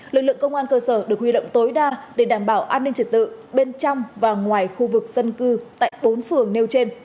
lực lượng công an cơ sở được huy động tối đa để đảm bảo an ninh trật tự bên trong và ngoài khu vực dân cư tại bốn phường nêu trên